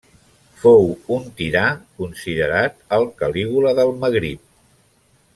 Fou un tirà considerat el Calígula del Magrib.